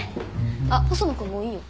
あっ細野君もういいよ。